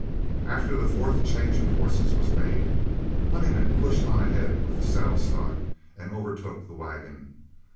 After the fourth change of horses was made, Honeyman pushed on ahead with the saddle stock and overtook the wagon.